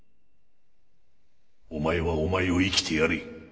お前はお前を生きてやれ。